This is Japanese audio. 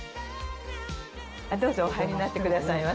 どうぞお入りになってくださいませ。